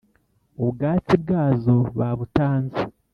Ubwatsi bwazo babutanze.